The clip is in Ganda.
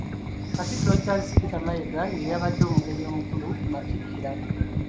Katikkiro Charles Peter Mayiga y'eyabadde omugenyi omukulu ku matikkira.